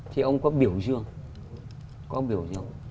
thì ông có biểu dương có biểu dương